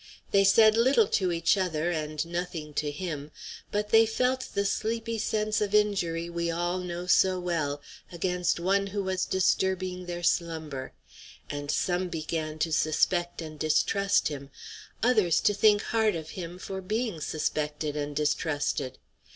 They said little to each other and nothing to him; but they felt the sleepy sense of injury we all know so well against one who was disturbing their slumber; and some began to suspect and distrust him, others to think hard of him for being suspected and distrusted.